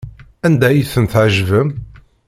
Anda ay tent-tḥejbem?